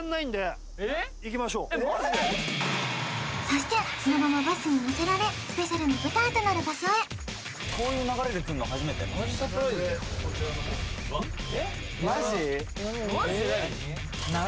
そしてそのままバスに乗せられスペシャルの舞台となる場所へこういう流れで来んの初めてマジサプライズだこちらの方をマジで何？